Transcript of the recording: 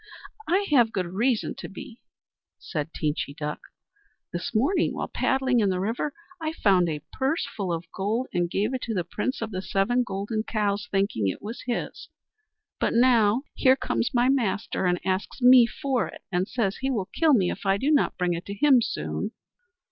"I have good reason to be," said Teenchy Duck. "This morning, while paddling in the river, I found a purse full of gold, and gave it to the Prince of the Seven Golden Cows, thinking it was his. But now, here comes my master and asks me for it, and says he will kill me if I do not bring it to him soon."